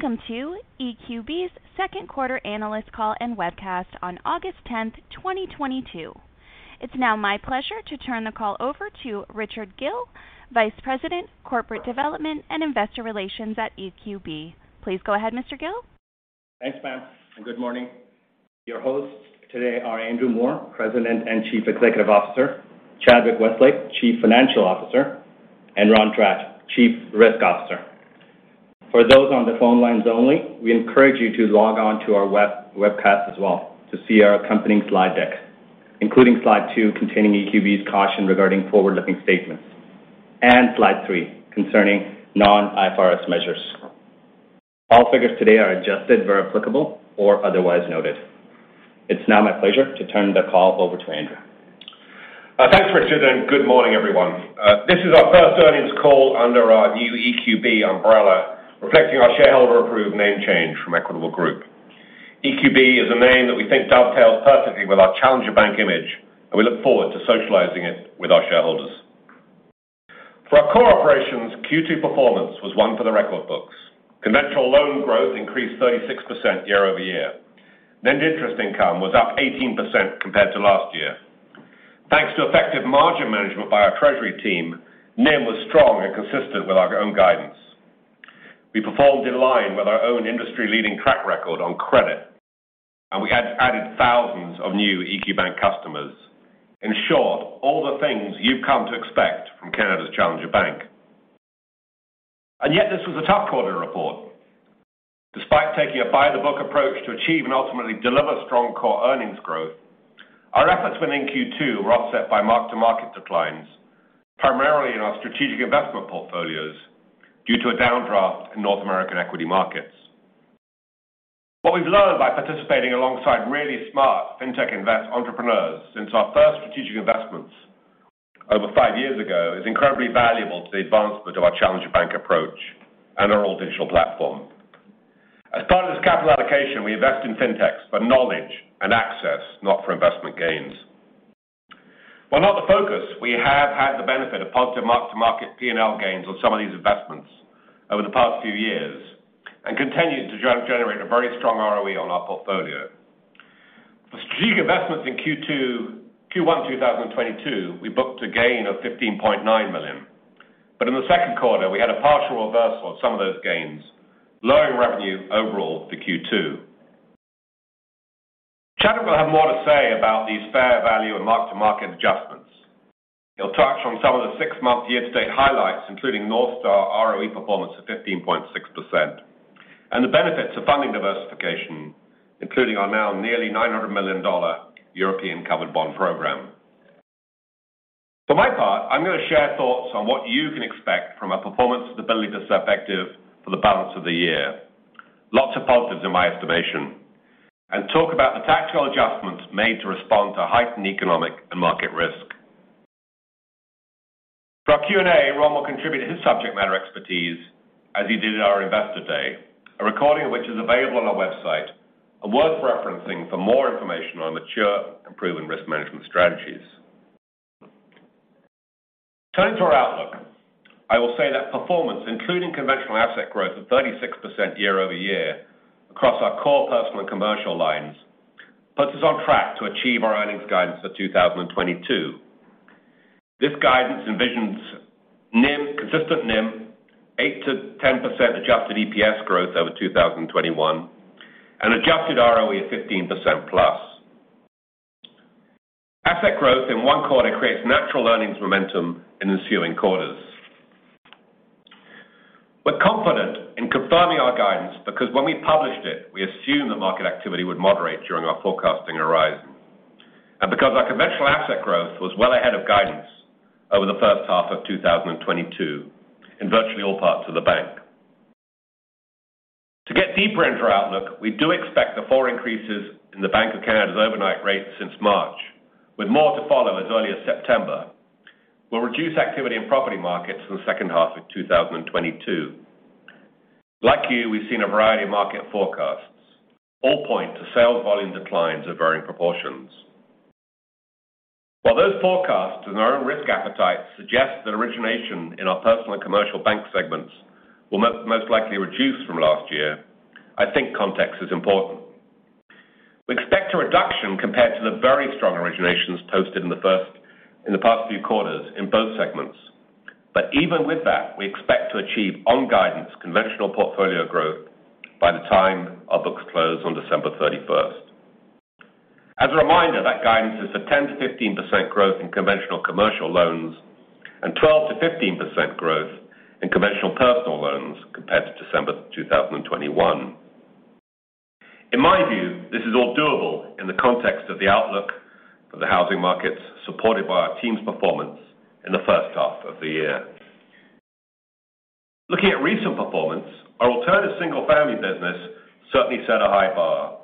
Welcome to EQB's second quarter analyst call and webcast on August 10th, 2022. It's now my pleasure to turn the call over to Richard Gill, Vice President, Corporate Development and Investor Relations at EQB. Please go ahead, Mr. Gill. Thanks, ma'am, and good morning. Your hosts today are Andrew Moor, President and Chief Executive Officer, Chadwick Westlake, Chief Financial Officer, and Ron Tratch, Chief Risk Officer. For those on the phone lines only, we encourage you to log on to our webcast as well to see our accompanying slide deck, including slide two containing EQB's caution regarding forward-looking statements, and slide three concerning non-IFRS measures. All figures today are adjusted where applicable or otherwise noted. It's now my pleasure to turn the call over to Andrew. Thanks, Richard, and good morning, everyone. This is our first earnings call under our new EQB umbrella, reflecting our shareholder-approved name change from Equitable Group. EQB is a name that we think dovetails perfectly with our challenger bank image, and we look forward to socializing it with our shareholders. For our core operations, Q2 performance was one for the record books. Conventional loan growth increased 36% year-over-year. Net interest income was up 18% compared to last year. Thanks to effective margin management by our treasury team, NIM was strong and consistent with our own guidance. We performed in line with our own industry-leading track record on credit, and we had added thousands of new EQ Bank customers. In short, all the things you've come to expect from Canada's Challenger Bank. Yet, this was a tough quarter report. Despite taking a by the book approach to achieve and ultimately deliver strong core earnings growth, our efforts in Q2 were offset by mark-to-market declines, primarily in our strategic investment portfolios due to a downdraft in North American equity markets. What we've learned by participating alongside really smart fintech invest entrepreneurs since our first strategic investments over five years ago is incredibly valuable to the advancement of our challenger bank approach and our all-digital platform. As part of this capital allocation, we invest in fintech for knowledge and access, not for investment gains. While not the focus, we have had the benefit of positive mark-to-market P&L gains on some of these investments over the past few years and continued to generate a very strong ROE on our portfolio. For strategic investments in Q1 2022, we booked a gain of 15.9 million. In the second quarter, we had a partial reversal of some of those gains, lowering revenue overall for Q2. Chadwick will have more to say about these fair value and mark-to-market adjustments. He'll touch on some of the six-month year-to-date highlights, including north star ROE performance of 15.6%, and the benefits of funding diversification, including our now nearly EUR 900 million European covered bond program. For my part, I'm gonna share thoughts on what you can expect from our performance stability perspective for the balance of the year. Lots of positives in my estimation, and talk about the tactical adjustments made to respond to heightened economic and market risk. For our Q&A, Ron will contribute his subject matter expertise as he did at our Investor Day, a recording of which is available on our website, and worth referencing for more information on mature and proven risk management strategies. Turning to our outlook, I will say that performance, including conventional asset growth of 36% year-over-year across our core personal and commercial lines, puts us on track to achieve our earnings guidance for 2022. This guidance envisions consistent NIM, 8%-10% adjusted EPS growth over 2021, and adjusted ROE of 15%+. Asset growth in one quarter creates natural earnings momentum in ensuing quarters. We're confident in confirming our guidance because when we published it, we assumed that market activity would moderate during our forecasting horizon, and because our conventional asset growth was well ahead of guidance over the first half of 2022 in virtually all parts of the bank. To get deeper into our outlook, we do expect the four increases in the Bank of Canada's overnight rate since March, with more to follow as early as September, will reduce activity in property markets for the second half of 2022. Like you, we've seen a variety of market forecasts all point to sales volume declines of varying proportions. While those forecasts and our own risk appetite suggest that origination in our personal and commercial bank segments will most likely reduce from last year, I think context is important. We expect a reduction compared to the very strong originations posted in the past few quarters in both segments. Even with that, we expect to achieve on-guidance conventional portfolio growth by the time our books close on December 31st. As a reminder, that guidance is for 10%-15% growth in conventional commercial loans and 12%-15% growth in conventional personal loans compared to December 2021. In my view, this is all doable in the context of the outlook for the housing markets supported by our team's performance in the first half of the year. Looking at recent performance, our alternative single-family business certainly set a high bar.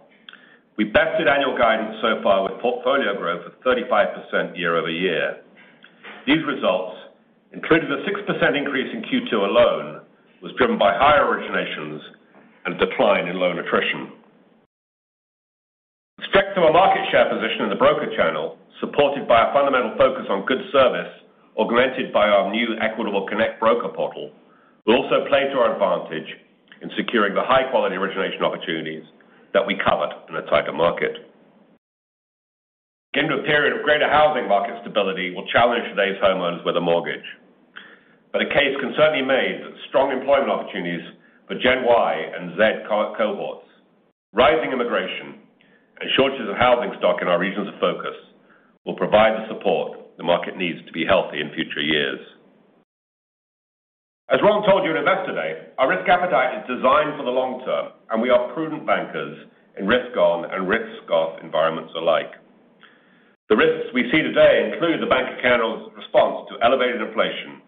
We've bested annual guidance so far with portfolio growth of 35% year-over-year. These results, including a 6% increase in Q2 alone, was driven by higher originations and decline in loan attrition. Strength of our market share position in the broker channel, supported by our fundamental focus on good service, augmented by our new Equitable Connect broker portal, will also play to our advantage in securing the high-quality origination opportunities that we covered in a tighter market. Into a period of greater housing market stability will challenge today's homeowners with a mortgage. A case can certainly be made that strong employment opportunities for Gen Y and Gen Z cohorts, rising immigration, and shortages of housing stock in our regions of focus will provide the support the market needs to be healthy in future years. As Ron told you in Investor Day, our risk appetite is designed for the long term, and we are prudent bankers in risk-on and risk-off environments alike. The risks we see today include the bank's response to elevated inflation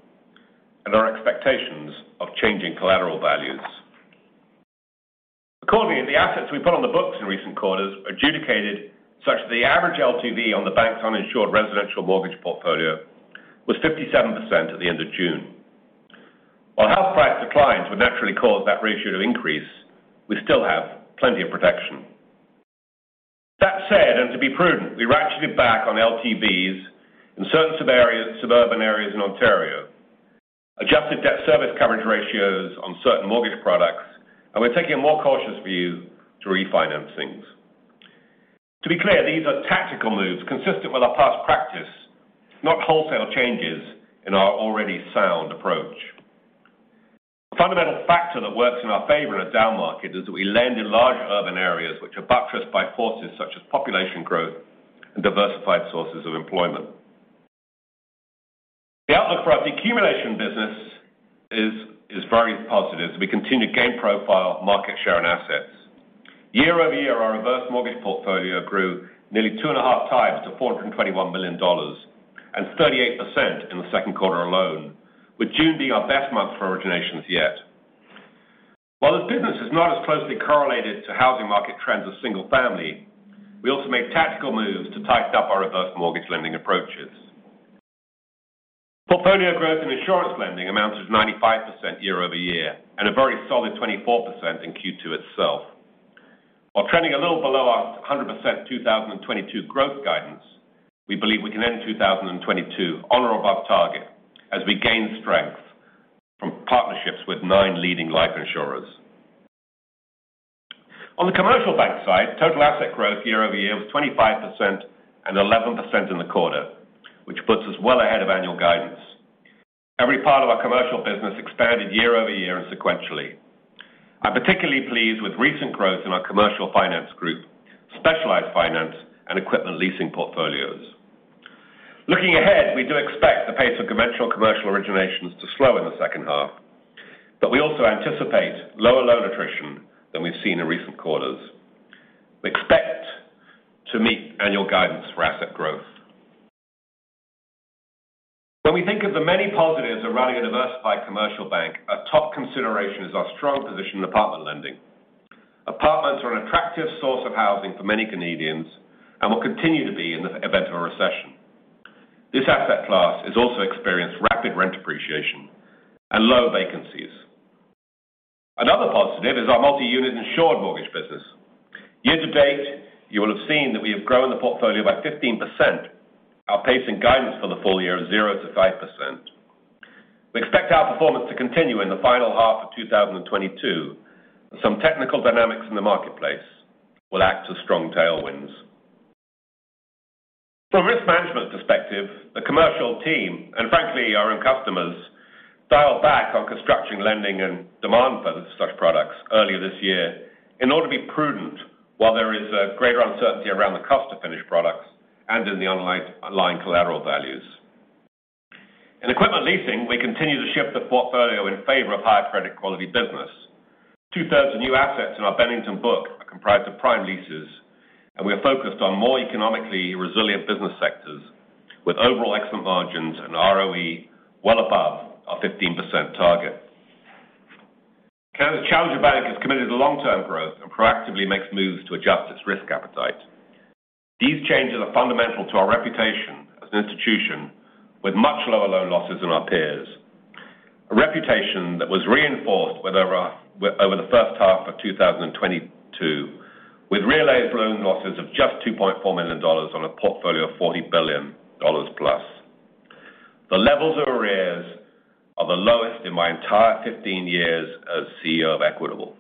and our expectations of changing collateral values. Accordingly, the assets we put on the books in recent quarters originated such that the average LTV on the bank's uninsured residential mortgage portfolio was 57% at the end of June. While house price declines would naturally cause that ratio to increase, we still have plenty of protection. That said, and to be prudent, we ratcheted back on LTVs in certain suburban areas in Ontario, adjusted debt service coverage ratios on certain mortgage products, and we're taking a more cautious view to refinancings. To be clear, these are tactical moves consistent with our past practice, not wholesale changes in our already sound approach. A fundamental factor that works in our favor in a down market is that we lend in larger urban areas which are buttressed by forces such as population growth and diversified sources of employment. The outlook for our deaccumulation business is very positive as we continue to gain profile, market share, and assets. Year-over-year, our reverse mortgage portfolio grew nearly 2.5x to 421 million dollars and 38% in the second quarter alone, with June being our best month for originations yet. While this business is not as closely correlated to housing market trends as single family, we also made tactical moves to tighten up our reverse mortgage lending approaches. Portfolio growth and insurance lending amounted to 95% year-over-year and a very solid 24% in Q2 itself. While trending a little below our 100% 2022 growth guidance, we believe we can end 2022 on or above target as we gain strength from partnerships with nine leading life insurers. On the commercial bank side, total asset growth year over year was 25% and 11% in the quarter, which puts us well ahead of annual guidance. Every part of our commercial business expanded year-over-year and sequentially. I'm particularly pleased with recent growth in our Commercial Finance Group, specialized finance, and equipment leasing portfolios. Looking ahead, we do expect the pace of conventional commercial originations to slow in the second half, but we also anticipate lower loan attrition than we've seen in recent quarters. We expect to meet annual guidance for asset growth. When we think of the many positives of running a diversified commercial bank, our top consideration is our strong position in apartment lending. Apartments are an attractive source of housing for many Canadians and will continue to be in the event of a recession. This asset class has also experienced rapid rent appreciation and low vacancies. Another positive is our multi-unit insured mortgage business. Year-to-date, you will have seen that we have grown the portfolio by 15%. Our pacing guidance for the full year is 0%-5%. We expect our performance to continue in the final half of 2022, and some technical dynamics in the marketplace will act as strong tailwinds. From a risk management perspective, the commercial team, and frankly, our own customers, dialed back on construction lending and demand for such products earlier this year in order to be prudent while there is a greater uncertainty around the cost of finished products and in the underlying collateral values. In equipment leasing, we continue to shift the portfolio in favor of higher credit quality business. Two-thirds of new assets in our Bennington book are comprised of prime leases, and we are focused on more economically resilient business sectors with overall excellent margins and ROE well above our 15% target. Canada's challenger bank is committed to long-term growth and proactively makes moves to adjust its risk appetite. These changes are fundamental to our reputation as an institution with much lower loan losses than our peers. A reputation that was reinforced over the first half of 2022, with realized loan losses of just 2.4 million dollars on a portfolio of 40+ billion dollars. The levels of arrears are the lowest in my entire 15 years as CEO of Equitable.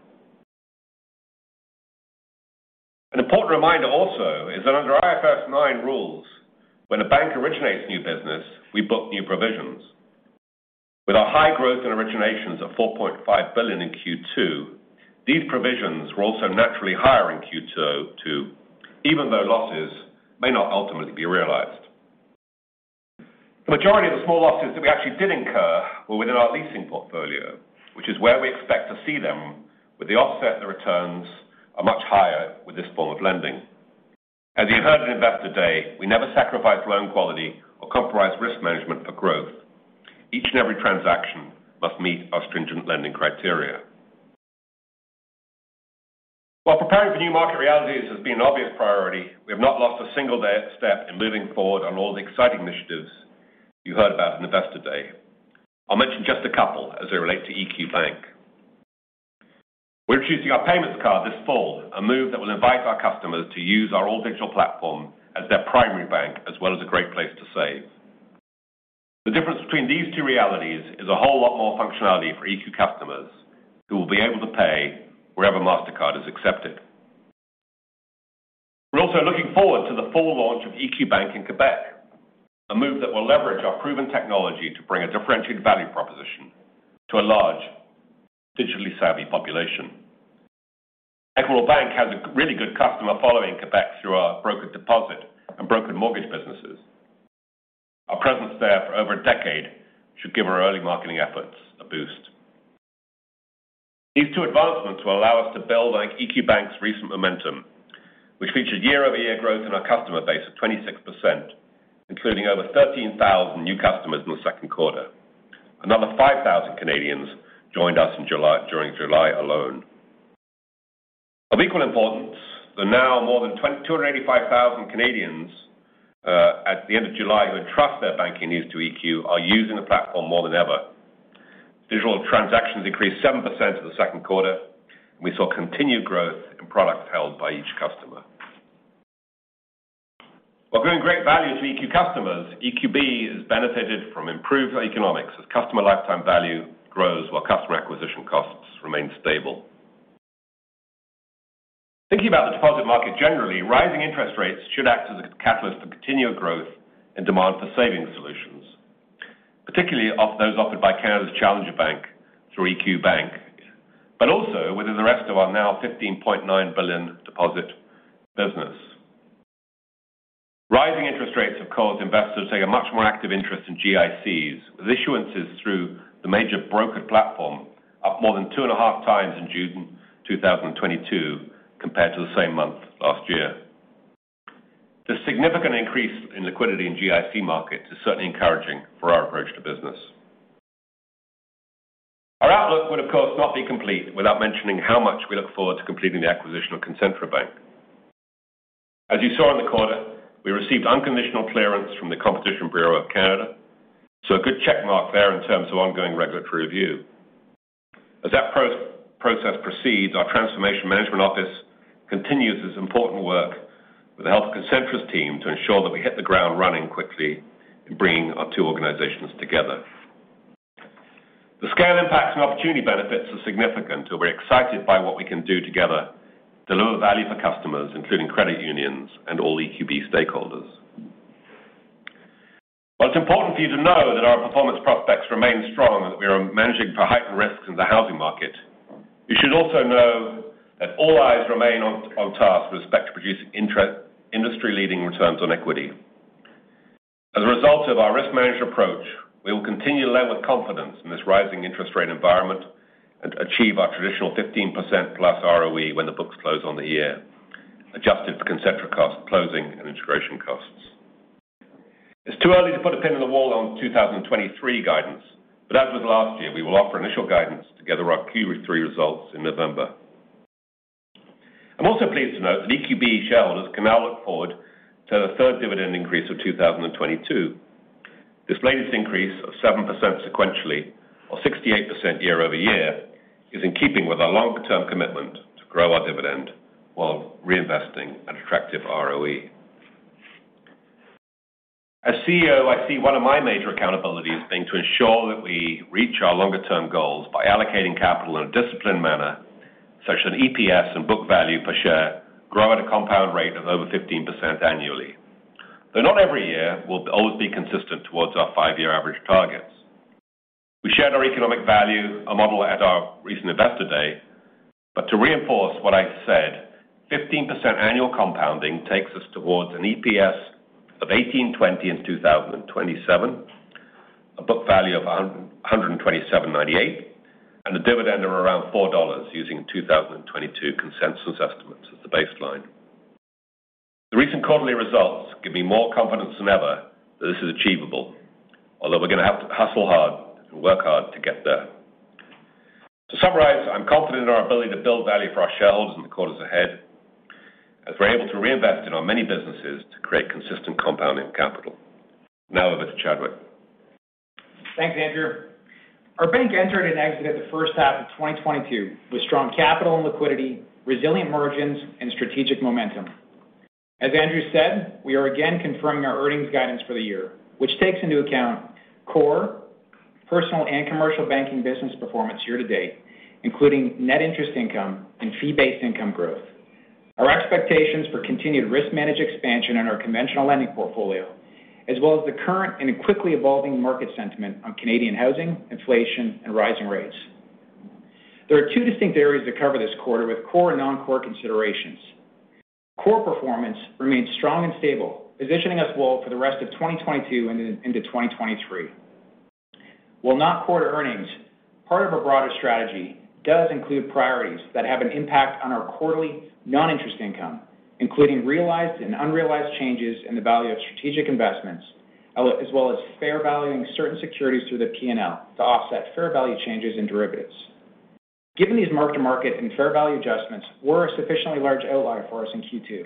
An important reminder also is that under IFRS 9 rules, when a bank originates new business, we book new provisions. With our high growth in originations of 4.5 billion in Q2, these provisions were also naturally higher in Q2 too, even though losses may not ultimately be realized. The majority of the small losses that we actually did incur were within our leasing portfolio, which is where we expect to see them with the offset, the returns are much higher with this form of lending. As you heard in Investor Day, we never sacrifice loan quality or compromise risk management for growth. Each and every transaction must meet our stringent lending criteria. While preparing for new market realities has been an obvious priority, we have not lost a single step in moving forward on all the exciting initiatives you heard about in Investor Day. I'll mention just a couple as they relate to EQ Bank. We're launching our payments card this fall, a move that will invite our customers to use our all-digital platform as their primary bank, as well as a great place to save. The difference between these two realities is a whole lot more functionality for EQ customers who will be able to pay wherever Mastercard is accepted. We're also looking forward to the full launch of EQ Bank in Québec, a move that will leverage our proven technology to bring a differentiated value proposition to a large digitally savvy population. EQ Bank has a really good customer following in Québec through our broker deposit and broker mortgage businesses. Our presence there for over a decade should give our early marketing efforts a boost. These two advancements will allow us to build on EQ Bank's recent momentum, which featured year-over-year growth in our customer base of 26%, including over 13,000 new customers in the second quarter. Another 5,000 Canadians joined us in July, during July alone. Of equal importance that now more than 285,000 Canadians at the end of July who trust their banking needs to EQ are using the platform more than ever. Digital transactions increased 7% in the second quarter, and we saw continued growth in products held by each customer. While bringing great value to EQ customers, EQB has benefited from improved economics as customer lifetime value grows while customer acquisition costs remain stable. Thinking about the deposit market generally, rising interest rates should act as a catalyst for continued growth and demand for savings solutions, particularly of those offered by Canada's Challenger Bank through EQ Bank, but also within the rest of our now 15.9 billion deposit business. Rising interest rates have caused investors to take a much more active interest in GICs, with issuances through the major broker platform up more than 2.5x in June 2022 compared to the same month last year. The significant increase in liquidity in GIC markets is certainly encouraging for our approach to business. Our outlook would, of course, not be complete without mentioning how much we look forward to completing the acquisition of Concentra Bank. As you saw in the quarter, we received unconditional clearance from the Competition Bureau Canada, so a good check mark there in terms of ongoing regulatory review. As that process proceeds, our transformation management office continues its important work with the help of Concentra's team to ensure that we hit the ground running quickly in bringing our two organizations together. The scale impacts and opportunity benefits are significant, and we're excited by what we can do together to deliver value for customers, including credit unions and all EQB stakeholders. While it's important for you to know that our performance prospects remain strong, as we are managing for heightened risks in the housing market, you should also know that all eyes remain on task with respect to producing industry-leading returns on equity. As a result of our risk management approach, we will continue to lend with confidence in this rising interest rate environment and achieve our traditional 15% plus ROE when the books close on the year, adjusted for Concentra cost closing and integration costs. It's too early to put a pin in the wall on 2023 guidance, but as with last year, we will offer initial guidance together with our Q3 results in November. I'm also pleased to note that EQB shareholders can now look forward to the third dividend increase of 2022. This latest increase of 7% sequentially or 68% year-over-year is in keeping with our longer-term commitment to grow our dividend while reinvesting an attractive ROE. As CEO, I see one of my major accountabilities being to ensure that we reach our longer-term goals by allocating capital in a disciplined manner, such that an EPS and book value per share grow at a compound rate of over 15% annually. Though not every year will always be consistent toward our five-year average targets. We shared our economic value added model at our recent Investor Day, but to reinforce what I said, 15% annual compounding takes us towards an EPS of 18.20 in 2027, a book value of 127.98, and a dividend of around 4 dollars using 2022 consensus estimates as the baseline. The recent quarterly results give me more confidence than ever that this is achievable, although we're gonna have to hustle hard and work hard to get there. To summarize, I'm confident in our ability to build value for our shareholders in the quarters ahead as we're able to reinvest in our many businesses to create consistent compounding capital. Now over to Chadwick. Thanks, Andrew. Our bank entered and exited the first half of 2022 with strong capital and liquidity, resilient margins, and strategic momentum. As Andrew said, we are again confirming our earnings guidance for the year, which takes into account core personal and commercial banking business performance year-to-date, including net interest income and fee-based income growth. Our expectations for continued risk-managed expansion in our conventional lending portfolio, as well as the current and quickly evolving market sentiment on Canadian housing, inflation, and rising rates. There are two distinct areas to cover this quarter with core and non-core considerations. Core performance remains strong and stable, positioning us well for the rest of 2022 and then into 2023. While not core to earnings, part of our broader strategy does include priorities that have an impact on our quarterly non-interest income, including realized and unrealized changes in the value of strategic investments, as well as fair valuing certain securities through the P&L to offset fair value changes in derivatives. Given these mark-to-market and fair value adjustments were a sufficiently large outlier for us in Q2.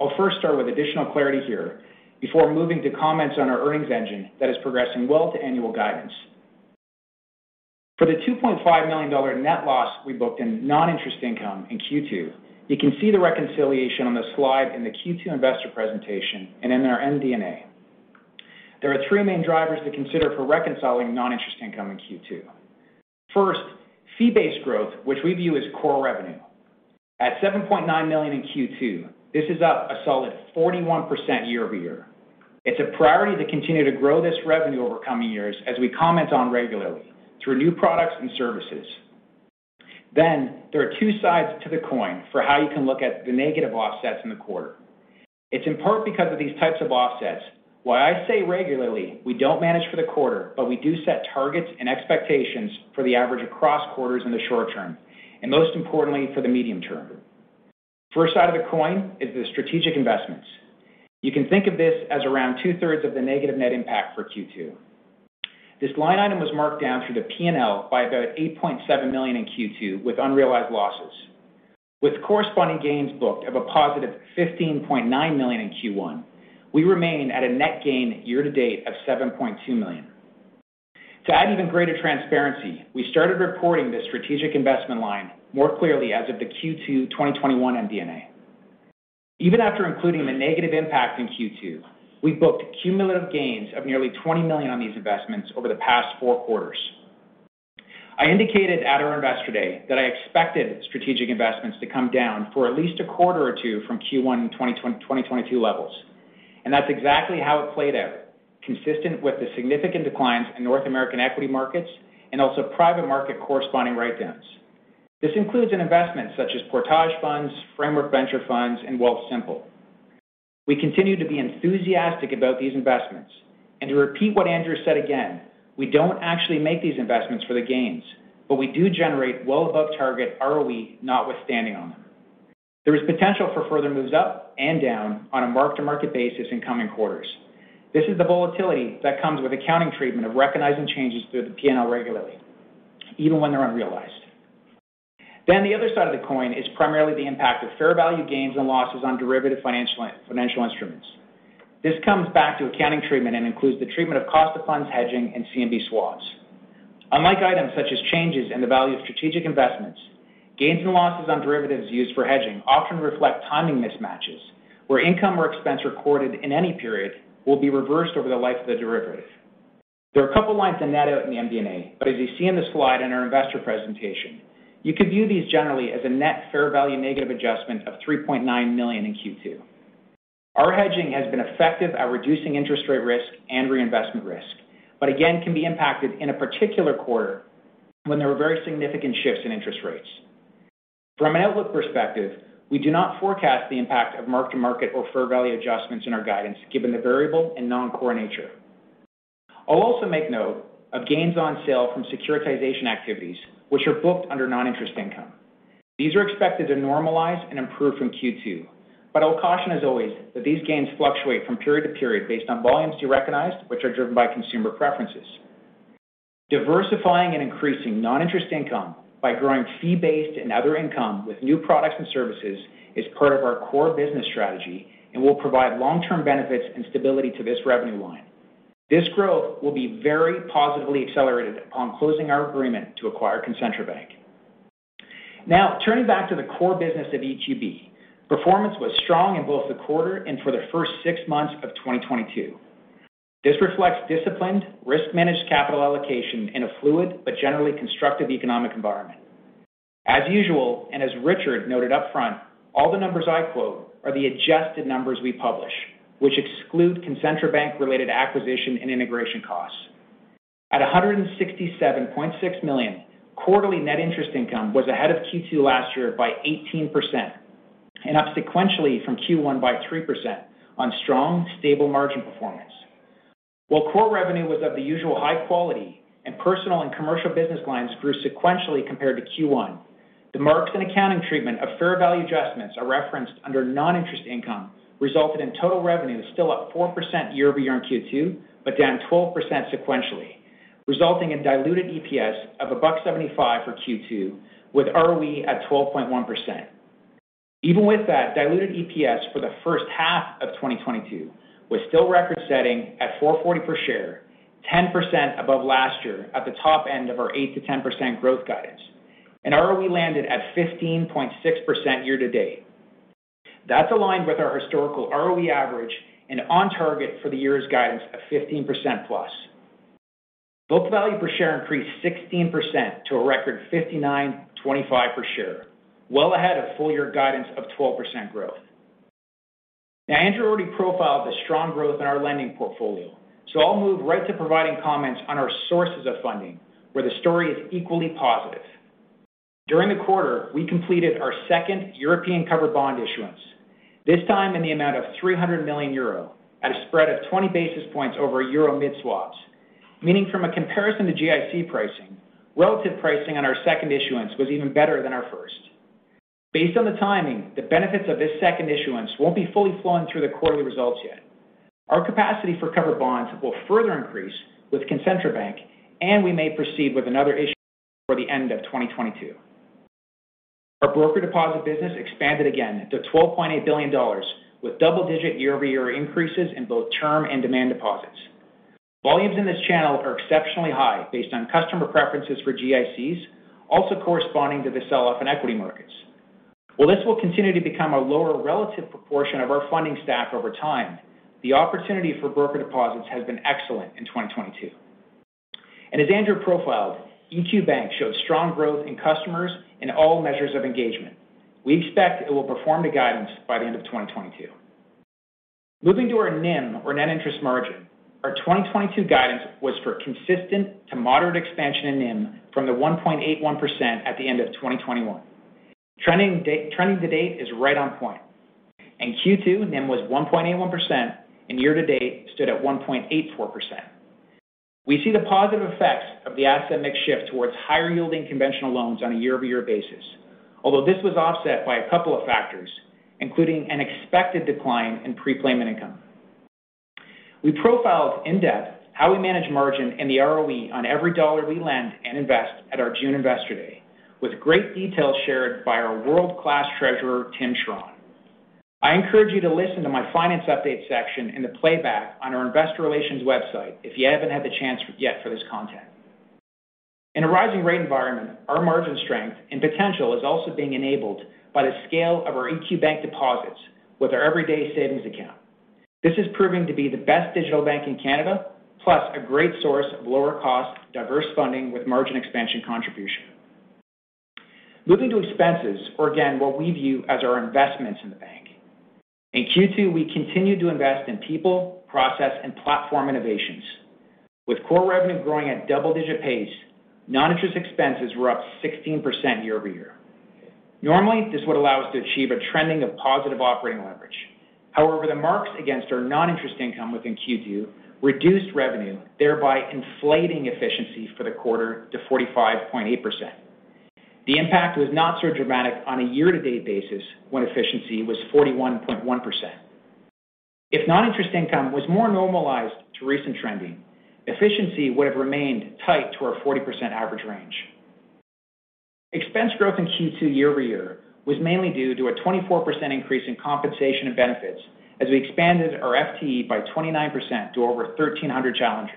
I'll first start with additional clarity here before moving to comments on our earnings engine that is progressing well to annual guidance. For the 2.5 million dollar net loss we booked in non-interest income in Q2, you can see the reconciliation on the slide in the Q2 investor presentation and in our MD&A. There are three main drivers to consider for reconciling non-interest income in Q2. First, fee-based growth, which we view as core revenue. At 7.9 million in Q2, this is up a solid 41% year-over-year. It's a priority to continue to grow this revenue over coming years as we comment on regularly through new products and services. There are two sides to the coin for how you can look at the negative offsets in the quarter. It's in part because of these types of offsets why I say regularly, we don't manage for the quarter, but we do set targets and expectations for the average across quarters in the short term, and most importantly for the medium term. First side of the coin is the strategic investments. You can think of this as around 2/3 of the negative net impact for Q2. This line item was marked down through the P&L by about 8.7 million in Q2 with unrealized losses. With corresponding gains booked of a positive 15.9 million in Q1, we remain at a net gain year to date of 7.2 million. To add even greater transparency, we started reporting this strategic investment line more clearly as of the Q2 2021 MD&A. Even after including the negative impact in Q2, we've booked cumulative gains of nearly 20 million on these investments over the past four quarters. I indicated at our Investor Day that I expected strategic investments to come down for at least a quarter or two from Q1 2022 levels, and that's exactly how it played out, consistent with the significant declines in North American equity markets and also private market corresponding write-downs. This includes an investment such as Portage Funds, Framework Venture Funds, and Wealthsimple. We continue to be enthusiastic about these investments and to repeat what Andrew said again, we don't actually make these investments for the gains, but we do generate well above target ROE notwithstanding on them. There is potential for further moves up and down on a mark-to-market basis in coming quarters. This is the volatility that comes with accounting treatment of recognizing changes through the P&L regularly, even when they're unrealized. The other side of the coin is primarily the impact of fair value gains and losses on derivative financial instruments. This comes back to accounting treatment and includes the treatment of cost of funds hedging and CMB swaps. Unlike items such as changes in the value of strategic investments, gains and losses on derivatives used for hedging often reflect timing mismatches, where income or expense recorded in any period will be reversed over the life of the derivative. There are a couple lines that net out in the MD&A, but as you see in the slide in our investor presentation, you could view these generally as a net fair value negative adjustment of 3.9 million in Q2. Our hedging has been effective at reducing interest rate risk and reinvestment risk, but again can be impacted in a particular quarter when there are very significant shifts in interest rates. From an outlook perspective, we do not forecast the impact of mark-to-market or fair value adjustments in our guidance given the variable and non-core nature. I'll also make note of gains on sale from securitization activities which are booked under non-interest income. These are expected to normalize and improve from Q2, but I'll caution as always that these gains fluctuate from period to period based on volumes you recognized, which are driven by consumer preferences. Diversifying and increasing non-interest income by growing fee-based and other income with new products and services is part of our core business strategy and will provide long-term benefits and stability to this revenue line. This growth will be very positively accelerated upon closing our agreement to acquire Concentra Bank. Now turning back to the core business of EQB, performance was strong in both the quarter and for the first six months of 2022. This reflects disciplined risk managed capital allocation in a fluid but generally constructive economic environment. As usual, as Richard noted up front, all the numbers I quote are the adjusted numbers we publish, which exclude Concentra Bank-related acquisition and integration costs. At 167.6 million, quarterly net interest income was ahead of Q2 last year by 18% and up sequentially from Q1 by 3% on strong, stable margin performance. While core revenue was of the usual high quality and personal and commercial business lines grew sequentially compared to Q1, the marks and accounting treatment of fair value adjustments are referenced under non-interest income resulted in total revenue still up 4% year-over-year in Q2, but down 12% sequentially, resulting in diluted EPS of CAD 1.75 for Q2 with ROE at 12.1%. Even with that diluted EPS for the first half of 2022 was still record setting at 4.40 per share, 10% above last year at the top end of our 8%-10% growth guidance, and ROE landed at 15.6% year to date. That's aligned with our historical ROE average and on target for the year's guidance of 15%+. Book value per share increased 16% to a record 59.25 per share, well ahead of full year guidance of 12% growth. Now, Andrew already profiled the strong growth in our lending portfolio. I'll move right to providing comments on our sources of funding, where the story is equally positive. During the quarter, we completed our second European covered bond issuance, this time in the amount of 300 million euro at a spread of 20 basis points over Euro mid-swaps. Meaning from a comparison to GIC pricing, relative pricing on our second issuance was even better than our first. Based on the timing, the benefits of this second issuance won't be fully flowing through the quarterly results yet. Our capacity for covered bonds will further increase with Concentra Bank, and we may proceed with another issue before the end of 2022. Our broker deposit business expanded again to 12.8 billion dollars, with double-digit year-over-year increases in both term and demand deposits. Volumes in this channel are exceptionally high based on customer preferences for GICs, also corresponding to the sell-off in equity markets. While this will continue to become a lower relative proportion of our funding stack over time, the opportunity for broker deposits has been excellent in 2022. As Andrew profiled, EQ Bank showed strong growth in customers in all measures of engagement. We expect it will perform to guidance by the end of 2022. Moving to our NIM or net interest margin, our 2022 guidance was for consistent to moderate expansion in NIM from the 1.81% at the end of 2021. Trending to date is right on point. In Q2, NIM was 1.81% and year-to-date stood at 1.84%. We see the positive effects of the asset mix shift towards higher yielding conventional loans on a year-over-year basis. Although this was offset by a couple of factors, including an expected decline in prepayment income. We profiled in depth how we manage margin and the ROE on every dollar we lend and invest at our June Investor Day, with great details shared by our world-class Treasurer, Tim Charron. I encourage you to listen to my finance update section in the playback on our investor relations website if you haven't had the chance yet for this content. In a rising rate environment, our margin strength and potential is also being enabled by the scale of our EQ Bank deposits with our everyday savings account. This is proving to be the best digital bank in Canada, plus a great source of lower cost, diverse funding with margin expansion contribution. Moving to expenses or again, what we view as our investments in the bank. In Q2, we continued to invest in people, process, and platform innovations. With core revenue growing at double-digit pace, non-interest expenses were up 16% year-over-year. Normally, this would allow us to achieve a trending of positive operating leverage. However, the marks against our non-interest income within Q2 reduced revenue, thereby inflating efficiency for the quarter to 45.8%. The impact was not so dramatic on a year-to-date basis when efficiency was 41.1%. If non-interest income was more normalized to recent trending, efficiency would have remained tight to our 40% average range. Expense growth in Q2 year-over-year was mainly due to a 24% increase in compensation and benefits as we expanded our FTE by 29% to over 1,300 colleagues.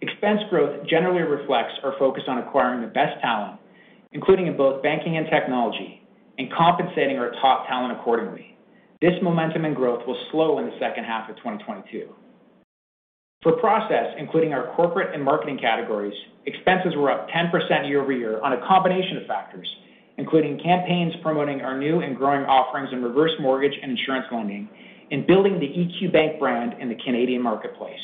Expense growth generally reflects our focus on acquiring the best talent, including in both banking and technology, and compensating our top talent accordingly. This momentum and growth will slow in the second half of 2022. For process, including our corporate and marketing categories, expenses were up 10% year-over-year on a combination of factors, including campaigns promoting our new and growing offerings in reverse mortgage and insurance lending, and building the EQ Bank brand in the Canadian marketplace.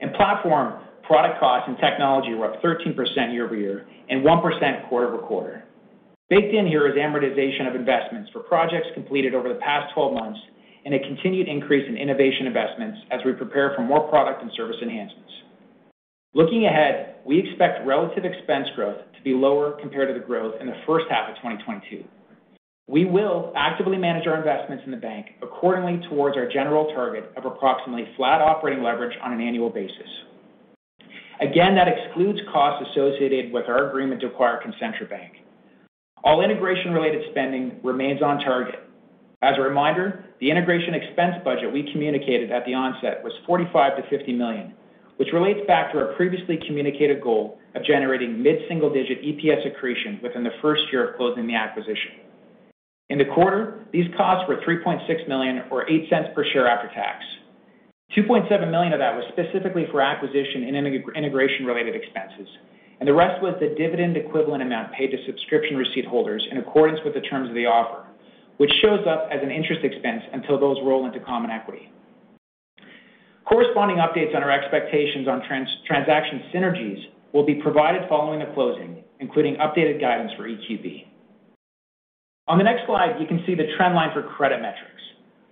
In platform, product costs and technology were up 13% year-over-year and 1% quarter-over-quarter. Baked in here is amortization of investments for projects completed over the past 12 months and a continued increase in innovation investments as we prepare for more product and service enhancements. Looking ahead, we expect relative expense growth to be lower compared to the growth in the first half of 2022. We will actively manage our investments in the bank accordingly towards our general target of approximately flat operating leverage on an annual basis. Again, that excludes costs associated with our agreement to acquire Concentra Bank. All integration related spending remains on target. As a reminder, the integration expense budget we communicated at the onset was 45 million-50 million, which relates back to our previously communicated goal of generating mid-single digit EPS accretion within the first year of closing the acquisition. In the quarter, these costs were 3.6 million or 0.08 per share after tax. 2.7 million of that was specifically for acquisition and integration related expenses, and the rest was the dividend equivalent amount paid to subscription receipt holders in accordance with the terms of the offer, which shows up as an interest expense until those roll into common equity. Corresponding updates on our expectations on transaction synergies will be provided following the closing, including updated guidance for EQB. On the next slide, you can see the trend line for credit metrics,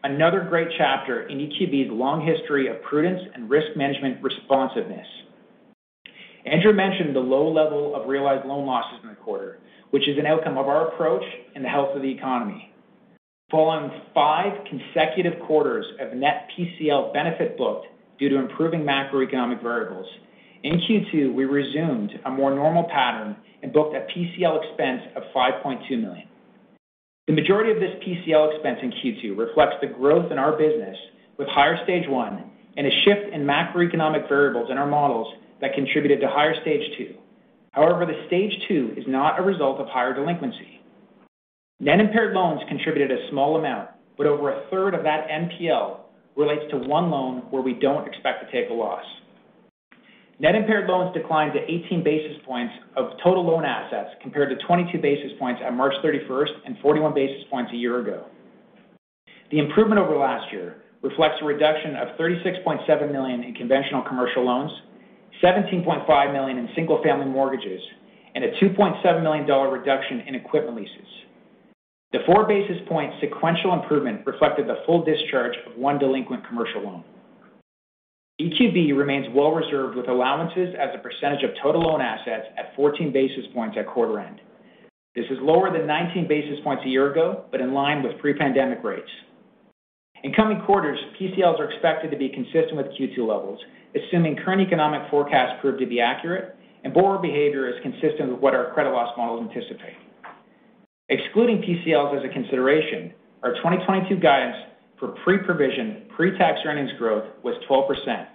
another great chapter in EQB's long history of prudence and risk management responsiveness. Andrew mentioned the low level of realized loan losses in the quarter, which is an outcome of our approach and the health of the economy. Following five consecutive quarters of net PCL benefit booked due to improving macroeconomic variables, in Q2, we resumed a more normal pattern and booked a PCL expense of 5.2 million. The majority of this PCL expense in Q2 reflects the growth in our business with higher stage one and a shift in macroeconomic variables in our models that contributed to higher stage two. However, the stage two is not a result of higher delinquency. Net impaired loans contributed a small amount, but over a third of that NPL relates to one loan where we don't expect to take a loss. Net impaired loans declined to 18 basis points of total loan assets compared to 22 basis points on March 31st and 41 basis points a year ago. The improvement over last year reflects a reduction of 36.7 million in conventional commercial loans, 17.5 million in single-family mortgages, and a 2.7 million dollar reduction in equipment leases. The 4 basis points sequential improvement reflected the full discharge of one delinquent commercial loan. EQB remains well reserved with allowances as a percentage of total loan assets at 14 basis points at quarter end. This is lower than 19 basis points a year ago, but in line with pre-pandemic rates. In coming quarters, PCLs are expected to be consistent with Q2 levels, assuming current economic forecasts prove to be accurate and borrower behavior is consistent with what our credit loss models anticipate. Excluding PCLs as a consideration, our 2022 guidance for pre-provision, pre-tax earnings growth was 12%.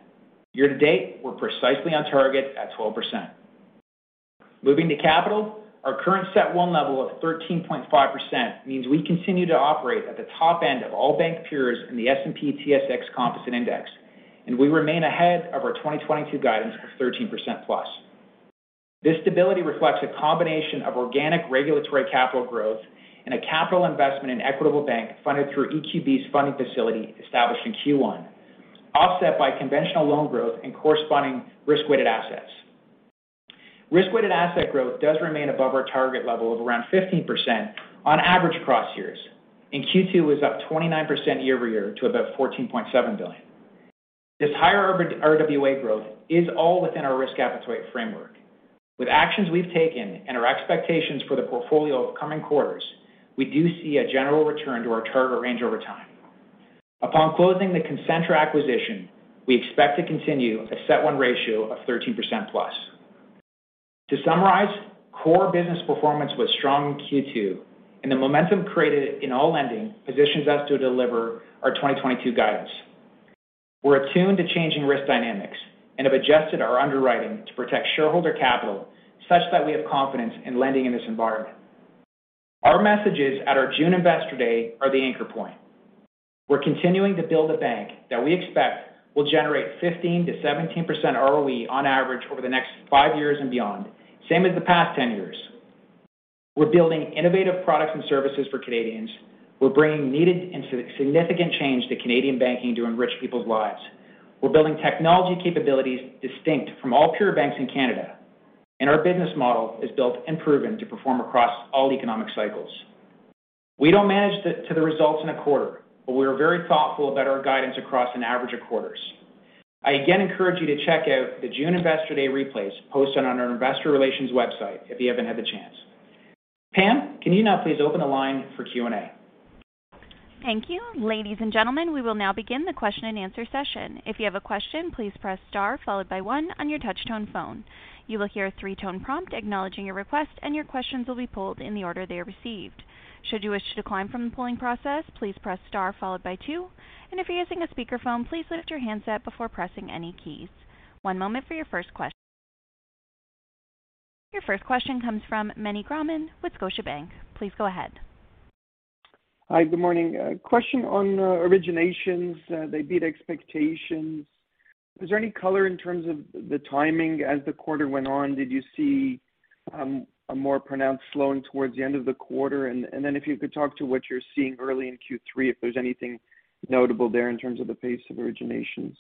Year to date, we're precisely on target at 12%. Moving to capital. Our current CET1 level of 13.5% means we continue to operate at the top end of all bank peers in the S&P/TSX Composite Index, and we remain ahead of our 2022 guidance of 13%+. This stability reflects a combination of organic regulatory capital growth and a capital investment in Equitable Bank funded through EQB's funding facility established in Q1, offset by conventional loan growth and corresponding risk-weighted assets. Risk-weighted asset growth does remain above our target level of around 15% on average across years, and Q2 was up 29% year-over-year to about 14.7 billion. This higher RWA growth is all within our risk appetite framework. With actions we've taken and our expectations for the portfolio of coming quarters, we do see a general return to our target range over time. Upon closing the Concentra acquisition, we expect to continue a CET1 ratio of 13%+. To summarize, core business performance was strong in Q2, and the momentum created in all lending positions us to deliver our 2022 guidance. We're attuned to changing risk dynamics and have adjusted our underwriting to protect shareholder capital such that we have confidence in lending in this environment. Our messages at our June Investor Day are the anchor point. We're continuing to build a bank that we expect will generate 15%-17% ROE on average over the next five years and beyond, same as the past 10 years. We're building innovative products and services for Canadians. We're bringing needed and significant change to Canadian banking to enrich people's lives. We're building technology capabilities distinct from all peer banks in Canada, and our business model is built and proven to perform across all economic cycles. We don't manage to the results in a quarter, but we are very thoughtful about our guidance across an average of quarters. I again encourage you to check out the June Investor Day replays posted on our investor relations website if you haven't had the chance. Pam, can you now please open the line for Q&A? Thank you. Ladies and gentlemen, we will now begin the question-and-answer session. If you have a question, please press star followed by one on your touchtone phone. You will hear a three-tone prompt acknowledging your request, and your questions will be pulled in the order they are received. Should you wish to decline from the polling process, please press star followed by two. If you're using a speakerphone, please lift your handset before pressing any keys. One moment for your first question. Your first question comes from Meny Grauman with Scotiabank. Please go ahead. Hi. Good morning. A question on originations. They beat expectations. Is there any color in terms of the timing as the quarter went on? Did you see a more pronounced slowing towards the end of the quarter? If you could talk to what you're seeing early in Q3, if there's anything notable there in terms of the pace of originations.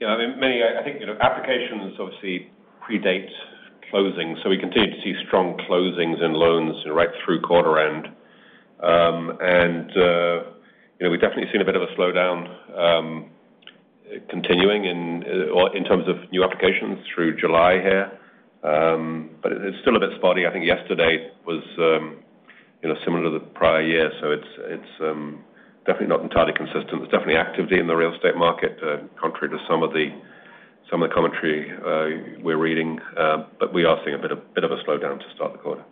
Yeah. I mean, Meny, I think, you know, applications obviously predate closings, so we continue to see strong closings and loans right through quarter end. And, you know, we've definitely seen a bit of a slowdown continuing in terms of new applications through July here. But it's still a bit spotty. I think yesterday was, you know, similar to the prior year. So it's definitely not entirely consistent. There's definitely activity in the real estate market contrary to some of the commentary we're reading. But we are seeing a bit of a slowdown to start the quarter.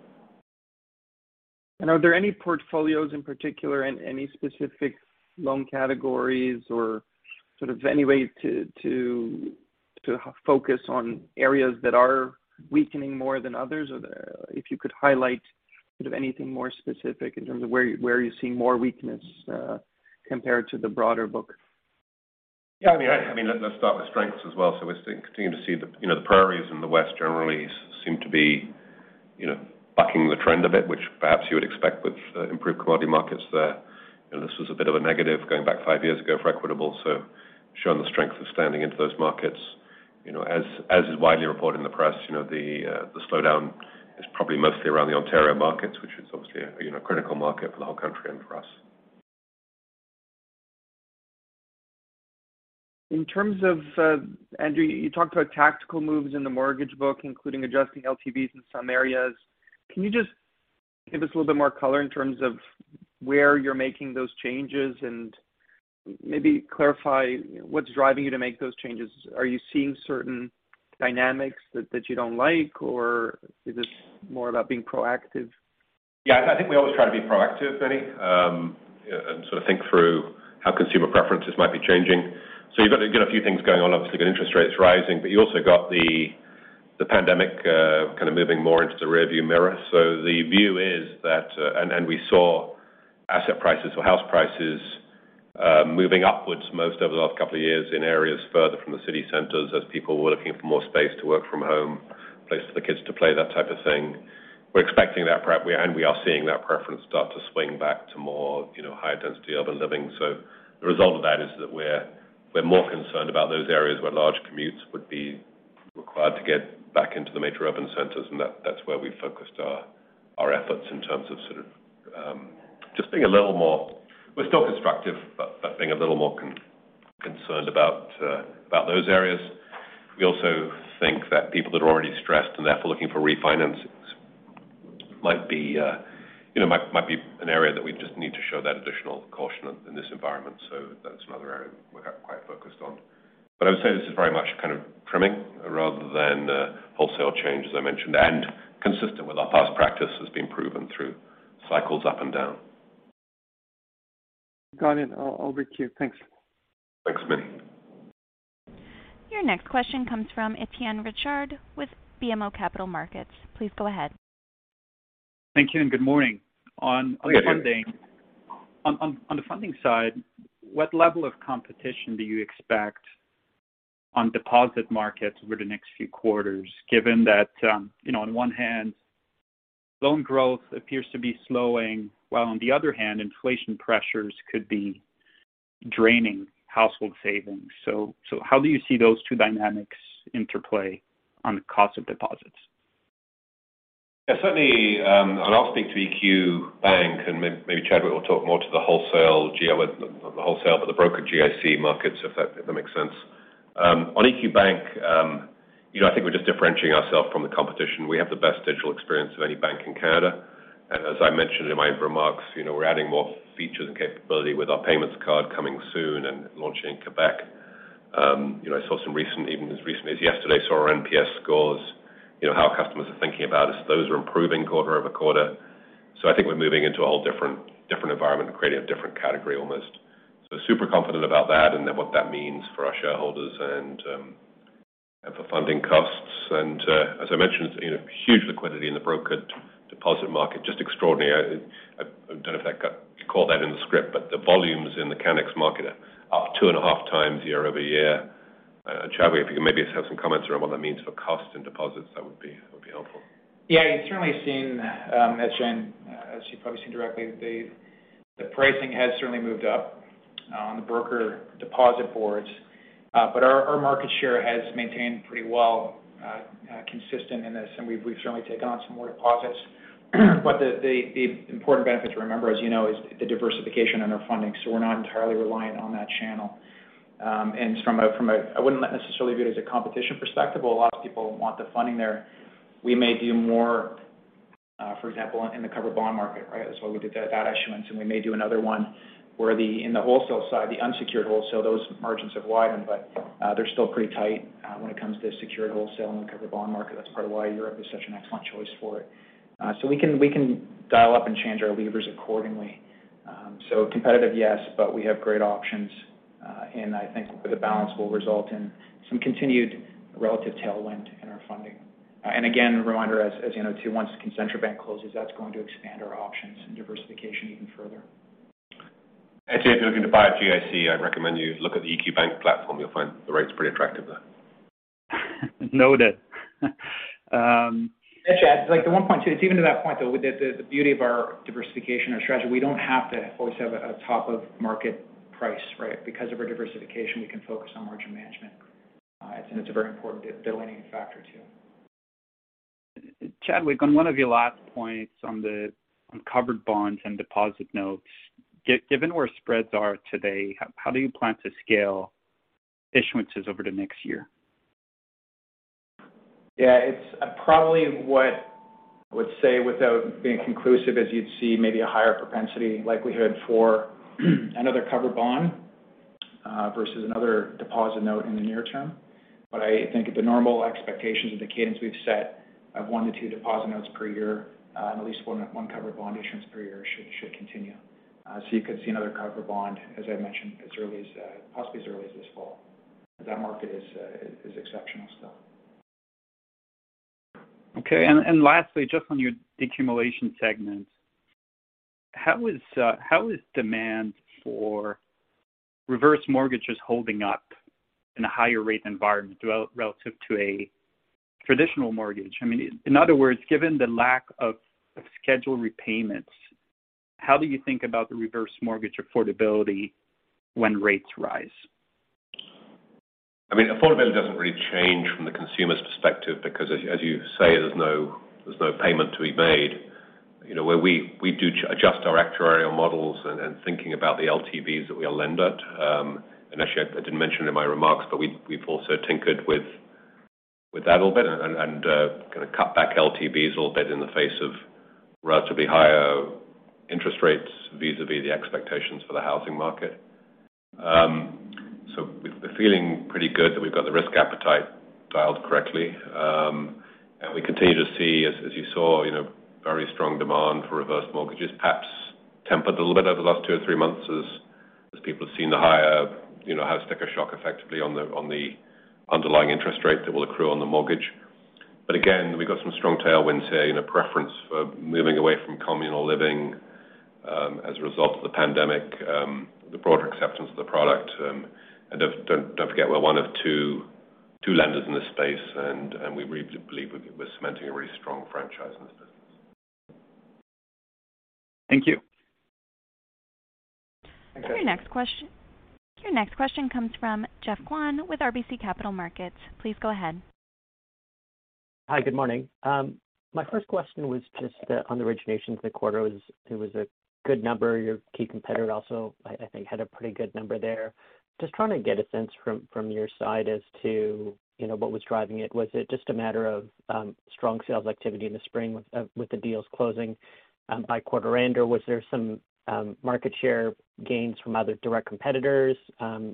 Are there any portfolios in particular and any specific loan categories or sort of any way to focus on areas that are weakening more than others? Or if you could highlight sort of anything more specific in terms of where you're seeing more weakness, compared to the broader book. Yeah, I mean, let's start with strengths as well. We're still continuing to see the, you know, the prairies in the west generally seem to be, you know, bucking the trend a bit, which perhaps you would expect with improved commodity markets there. You know, this was a bit of a negative going back five years ago for Equitable, so showing the strength of standing into those markets. You know, as is widely reported in the press, you know, the slowdown is probably mostly around the Ontario markets, which is obviously a, you know, a critical market for the whole country and for us. In terms of Andrew, you talked about tactical moves in the mortgage book, including adjusting LTVs in some areas. Can you just give us a little bit more color in terms of where you're making those changes and maybe clarify what's driving you to make those changes? Are you seeing certain dynamics that you don't like, or is this more about being proactive? Yeah. I think we always try to be proactive, Meny, and sort of think through how consumer preferences might be changing. You've got a few things going on. Obviously, rising interest rates, but you also got the pandemic kind of moving more into the rearview mirror. The view is that we saw asset prices or house prices moving upwards most over the last couple of years in areas further from the city centers as people were looking for more space to work from home, place for the kids to play, that type of thing. We're expecting that and we are seeing that preference start to swing back to more, you know, high density urban living. The result of that is that we're more concerned about those areas where large commutes would be Required to get back into the major urban centers, and that's where we focused our efforts in terms of sort of just being a little more. We're still constructive, but being a little more concerned about those areas. We also think that people that are already stressed and therefore looking for refinancings might be, you know, an area that we just need to show that additional caution in this environment. That's another area we're quite focused on. I would say this is very much kind of trimming rather than a wholesale change, as I mentioned, and consistent with our past practice has been proven through cycles up and down. Got it. I'll recue. Thanks. Thanks, Meny. Your next question comes from Étienne Ricard with BMO Capital Markets. Please go ahead. Thank you, and good morning. Good day. On the funding side, what level of competition do you expect on deposit markets over the next few quarters, given that, you know, on one hand, loan growth appears to be slowing, while on the other hand, inflation pressures could be draining household savings. How do you see those two dynamics interplay on the cost of deposits? Certainly, I'll speak to EQ Bank and maybe Chadwick will talk more to the wholesale GL, not the wholesale, but the broker GIC markets, if that makes sense. On EQ Bank, you know, I think we're just differentiating ourselves from the competition. We have the best digital experience of any bank in Canada. As I mentioned in my remarks, you know, we're adding more features and capability with our payments card coming soon and launching in Quebec. You know, even as recently as yesterday, I saw our NPS scores, you know, how customers are thinking about us. Those are improving quarter over quarter. I think we're moving into a whole different environment and creating a different category almost. Super confident about that and then what that means for our shareholders and for funding costs. As I mentioned, you know, huge liquidity in the broker deposit market, just extraordinary. I don't know if that got called that in the script, but the volumes in the CANNEX market are up 2.5x year-over-year. Chadwick, if you could maybe have some comments around what that means for costs and deposits, that would be helpful. Yeah, you've certainly seen, as Étienne, as you've probably seen directly, the pricing has certainly moved up on the broker deposit boards. Our market share has maintained pretty well consistent in this, and we've certainly taken on some more deposits. The important benefit to remember, as you know, is the diversification in our funding, so we're not entirely reliant on that channel. I wouldn't necessarily view it as a competition perspective, but a lot of people want the funding there. We may do more, for example, in the covered bond market, right? That's why we did that issuance, and we may do another one in the wholesale side, the unsecured wholesale, those margins have widened, but they're still pretty tight when it comes to secured wholesale and the covered bond market. That's part of why Europe is such an excellent choice for it. So we can dial up and change our levers accordingly. So competitive, yes, but we have great options, and I think the balance will result in some continued relative tailwind in our funding. Again, a reminder, as you know, too, once Concentra Bank closes, that's going to expand our options and diversification even further. Étienne, if you're looking to buy a GIC, I'd recommend you look at the EQ Bank platform. You'll find the rates pretty attractive there. Noted. Étienne, like the one point too, it's even to that point, though, with the beauty of our diversification, our strategy, we don't have to always have a top of market price, right? Because of our diversification, we can focus on margin management. It's a very important differentiating factor, too. Chadwick, on one of your last points on the uncovered bonds and deposit notes, given where spreads are today, how do you plan to scale issuances over the next year? It's probably what I would say without being conclusive, as you'd see maybe a higher propensity likelihood for another covered bond versus another deposit note in the near term. I think the normal expectations of the cadence we've set of one to two deposit notes per year and at least one covered bond issuance per year should continue. You could see another covered bond, as I mentioned, possibly as early as this fall. That market is exceptional still. Okay. Lastly, just on your deaccumulation segment, how is demand for reverse mortgages holding up in a higher rate environment, relative to a traditional mortgage? I mean, in other words, given the lack of scheduled repayments, how do you think about the reverse mortgage affordability when rates rise? I mean, affordability doesn't really change from the consumer's perspective because as you say, there's no payment to be made. You know, where we do adjust our actuarial models and thinking about the LTVs that we lend at. Actually, I didn't mention it in my remarks, but we've also tinkered with that a little bit and kinda cut back LTVs a little bit in the face of relatively higher interest rates vis-à-vis the expectations for the housing market. So we've been feeling pretty good that we've got the risk appetite dialed correctly. We continue to see, as you saw, you know, very strong demand for reverse mortgages, perhaps tempered a little bit over the last two or three months as people have seen the higher, you know, house sticker shock effectively on the underlying interest rate that will accrue on the mortgage. Again, we've got some strong tailwind, say, in a preference for moving away from communal living as a result of the pandemic, the broader acceptance of the product. Don't forget we're one of two lenders in this space, and we really believe we're cementing a really strong franchise in this business. Thank you. Your next question comes from Geoff Kwan with RBC Capital Markets. Please go ahead. Hi, good morning. My first question was just on the originations in the quarter. It was a good number. Your key competitor also, I think had a pretty good number there. Just trying to get a sense from your side as to, you know, what was driving it. Was it just a matter of strong sales activity in the spring with the deals closing by quarter end? Or was there some market share gains from other direct competitors,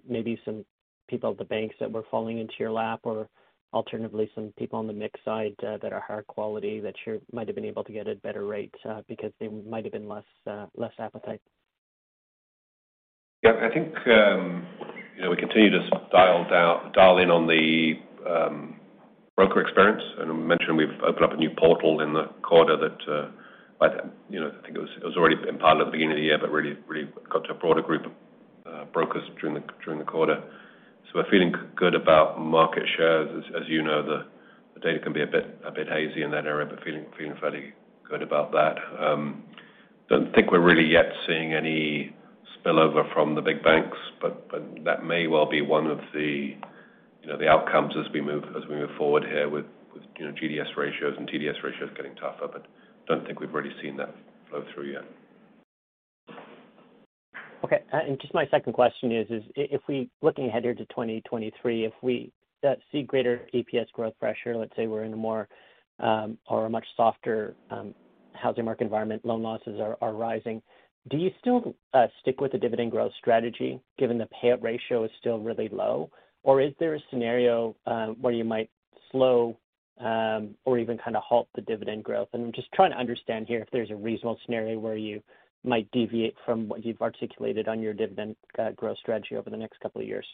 maybe some people at the banks that were falling into your lap, or alternatively some people on the mix side that are higher quality that you might have been able to get at better rates because there might have been less appetite? Yeah, I think, you know, we continue to dial in on the broker experience. I mentioned we've opened up a new portal in the quarter that you know I think it was already in pilot at the beginning of the year, but really got to a broader group of brokers during the quarter. We're feeling good about market share. As you know, the data can be a bit hazy in that area, but feeling fairly good about that. Don't think we're really yet seeing any spillover from the big banks, but that may well be one of the outcomes as we move forward here with you know GDS ratios and TDS ratios getting tougher. Don't think we've really seen that flow through yet. Okay. Just my second question is, if we looking ahead here to 2023, if we see greater EPS growth pressure, let's say we're in a more or a much softer housing market environment, loan losses are rising, do you still stick with the dividend growth strategy given the payout ratio is still really low? Or is there a scenario where you might slow or even kind of halt the dividend growth? I'm just trying to understand here if there's a reasonable scenario where you might deviate from what you've articulated on your dividend growth strategy over the next couple of years.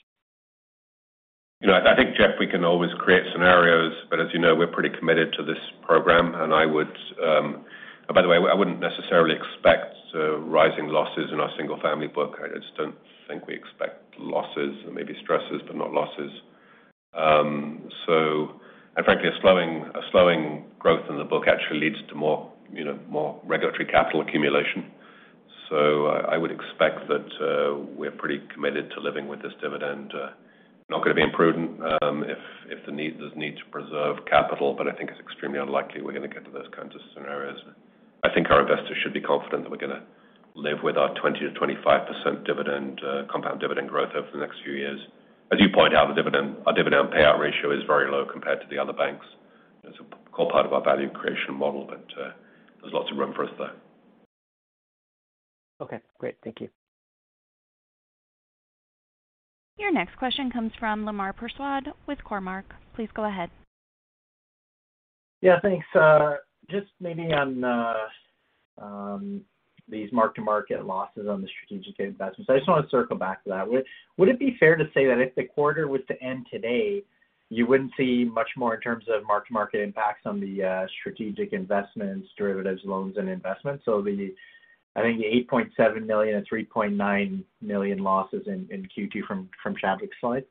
You know, I think, Jeff, we can always create scenarios, but as you know, we're pretty committed to this program, and I would. Oh, by the way, I wouldn't necessarily expect rising losses in our single family book. I just don't think we expect losses. There may be stresses, but not losses. And frankly, a slowing growth in the book actually leads to more, you know, more regulatory capital accumulation. I would expect that we're pretty committed to living with this dividend. Not gonna be imprudent, if there's need to preserve capital, but I think it's extremely unlikely we're gonna get to those kinds of scenarios. I think our investors should be confident that we're gonna live with our 20%-25% dividend compound dividend growth over the next few years. As you point out, the dividend, our dividend payout ratio is very low compared to the other banks. That's a core part of our value creation model, but, there's lots of room for us there. Okay, great. Thank you. Your next question comes from Lemar Persaud with Cormark. Please go ahead. Yeah, thanks. Just maybe on these mark-to-market losses on the strategic investments. I just wanna circle back to that. Would it be fair to say that if the quarter was to end today, you wouldn't see much more in terms of mark-to-market impacts on the strategic investments, derivatives, loans, and investments? I think the 8.7 million and 3.9 million losses in Q2 from Chadwick's slide.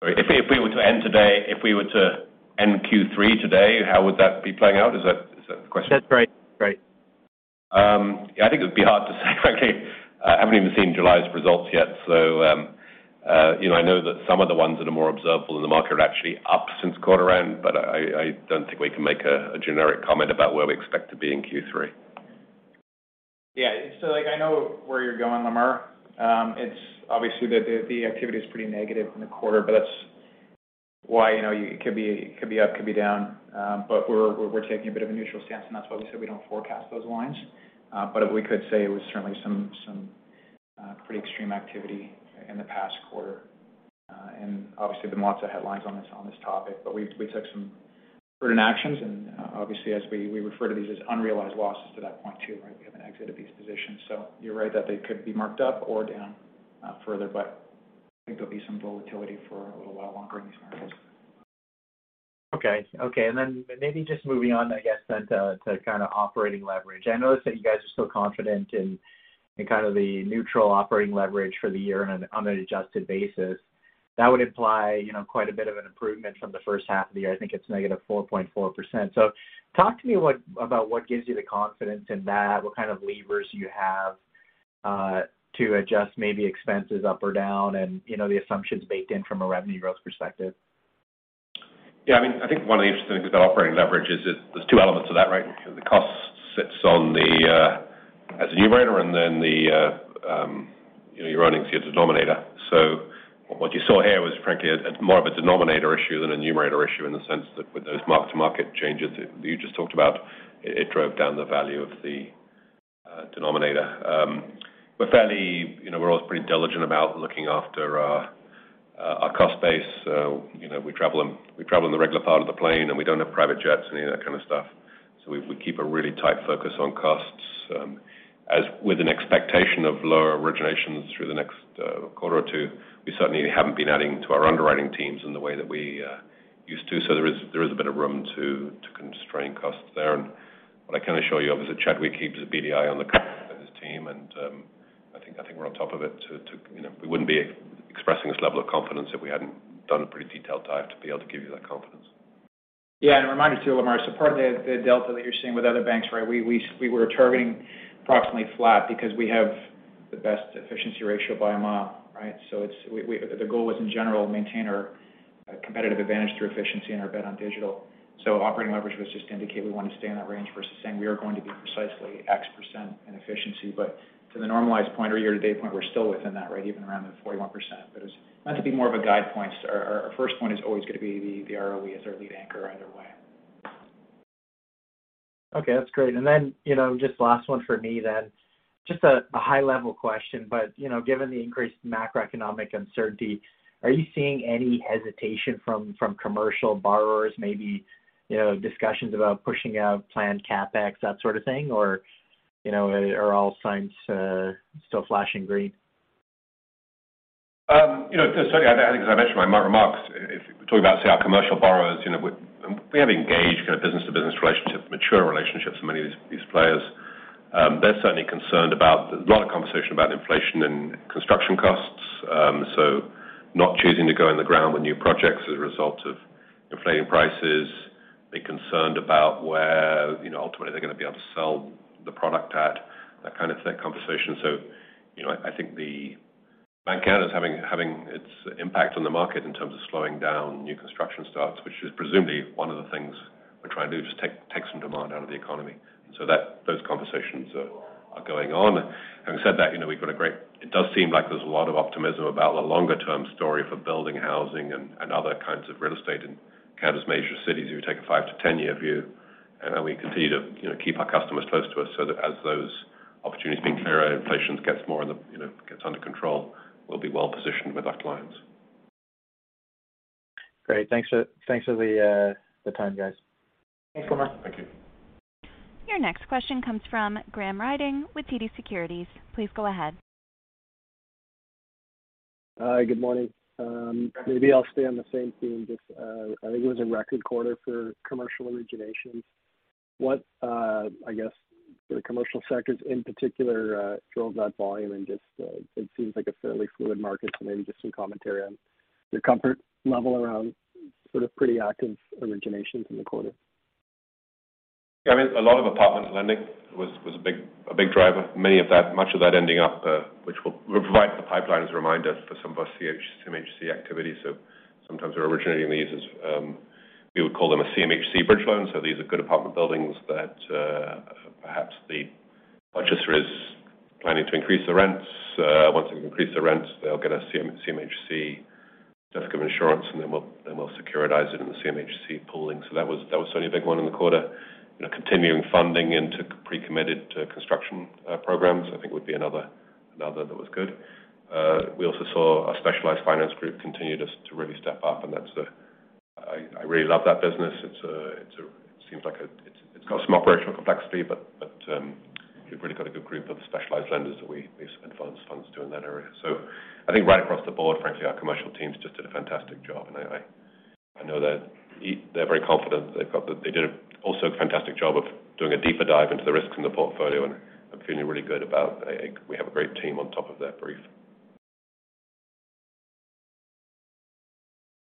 Sorry. If we were to end today, if we were to end Q3 today, how would that be playing out? Is that the question? That's right. That's right. Yeah, I think it would be hard to say, frankly. I haven't even seen July's results yet. You know, I know that some of the ones that are more observable in the market are actually up since quarter end, but I don't think we can make a generic comment about where we expect to be in Q3. Yeah. Like I know where you're going, Lemar. It's obviously the activity is pretty negative in the quarter, but that's why, you know, it could be up, could be down. But we're taking a bit of a neutral stance, and that's why we said we don't forecast those lines. But we could say it was certainly some pretty extreme activity in the past quarter. And obviously been lots of headlines on this topic. But we took some prudent actions and, obviously as we refer to these as unrealized losses to that point too, right? We haven't exited these positions. You're right that they could be marked up or down further, but I think there'll be some volatility for a little while longer in these markets. Okay. Maybe just moving on, I guess to kind of operating leverage. I noticed that you guys are still confident in kind of the neutral operating leverage for the year on an adjusted basis. That would imply, you know, quite a bit of an improvement from the first half of the year. I think it's negative 4.4%. Talk to me about what gives you the confidence in that, what kind of levers you have to adjust maybe expenses up or down and, you know, the assumptions baked in from a revenue growth perspective. Yeah, I mean, I think one of the interesting things about operating leverage is that there's two elements to that, right? The cost sits on the as a numerator, and then the you know, your earnings is your denominator. What you saw here was frankly a more of a denominator issue than a numerator issue in the sense that with those mark-to-market changes that you just talked about, it drove down the value of the denominator. We're fairly, you know, we're always pretty diligent about looking after our cost base. You know, we travel in the regular part of the plane, and we don't have private jets and any of that kind of stuff. We keep a really tight focus on costs, as with an expectation of lower originations through the next quarter or two. We certainly haven't been adding to our underwriting teams in the way that we used to. There is a bit of room to constrain costs there. What I can assure you of is that Chadwick keeps a beady eye on the cost of his team, and I think we're on top of it, you know, we wouldn't be expressing this level of confidence if we hadn't done a pretty detailed dive to be able to give you that confidence. Yeah, a reminder too, Lemar, so part of the delta that you're seeing with other banks, right? We were targeting approximately flat because we have the best efficiency ratio by a mile, right? It's the goal was, in general, maintain our competitive advantage through efficiency and our bet on digital. Operating leverage was just to indicate we want to stay in that range versus saying we are going to be precisely X% in efficiency. To the normalized point or year-to-date point, we're still within that range, even around the 41%. It's meant to be more of a guide point. Our first point is always gonna be the ROE as our lead anchor either way. Okay, that's great. You know, just last one for me then. Just a high level question, but you know, given the increased macroeconomic uncertainty, are you seeing any hesitation from commercial borrowers? Maybe you know, discussions about pushing out planned CapEx, that sort of thing? Or you know, are all signs still flashing green? You know, I think as I mentioned in my remarks, if we're talking about say our commercial borrowers, you know, we have engaged kind of business-to-business relationships, mature relationships with many of these players. They're certainly concerned about a lot of conversation about inflation and construction costs, not choosing to go in the ground with new projects as a result of inflating prices. They're concerned about where, you know, ultimately they're gonna be able to sell the product at, that kind of conversation. You know, I think the Bank of Canada is having its impact on the market in terms of slowing down new construction starts, which is presumably one of the things we're trying to do, just take some demand out of the economy. That those conversations are going on. Having said that, you know, it does seem like there's a lot of optimism about the longer term story for building housing and other kinds of real estate in Canada's major cities if you take a five to 10-year view. We continue to, you know, keep our customers close to us so that as those opportunities being clearer, inflation gets more in the, you know, gets under control, we'll be well-positioned with our clients. Great. Thanks for the time, guys. Thanks, Lemar. Thank you. Your next question comes from Graham Ryding with TD Securities. Please go ahead. Hi. Good morning. Maybe I'll stay on the same theme. Just, I think it was a record quarter for commercial originations. What, I guess for the commercial sectors in particular, drove that volume? Just, it seems like a fairly fluid market, so maybe just some commentary on your comfort level around sort of pretty active originations in the quarter. I mean, a lot of apartment lending was a big driver. Much of that ending up which will provide the pipeline, as a reminder, for some of our CMHC activity. Sometimes we're originating these as we would call them a CMHC bridge loan. These are good apartment buildings that perhaps the purchaser is planning to increase the rents. Once they've increased the rents, they'll get a CMHC certificate of insurance, and then we'll securitize it in the CMHC pooling. That was certainly a big one in the quarter. You know, continuing funding into pre-committed construction programs I think would be another that was good. We also saw our specialized finance group continue to really step up, and that's. I really love that business. It's got some operational complexity, but we've really got a good group of specialized lenders that we invest advance funds to in that area. I think right across the board, frankly, our commercial teams just did a fantastic job. I know that they're very confident they did a also fantastic job of doing a deeper dive into the risks in the portfolio, and I'm feeling really good about. I think we have a great team on top of that brief.